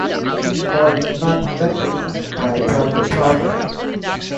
But these laws do not directly occupy private property.